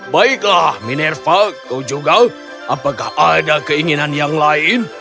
baiklah minerva kau juga apakah ada keinginan yang lain